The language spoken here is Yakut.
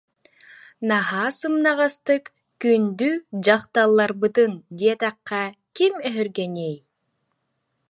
Наһаа сымнаҕастык "күндү дьахталларбытын" диэтэххэ ким өһүргэниэй?